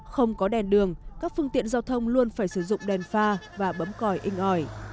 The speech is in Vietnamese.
không có đèn đường các phương tiện giao thông luôn phải sử dụng đèn pha và bấm còi inh ỏi